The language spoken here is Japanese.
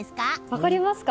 分かりますか。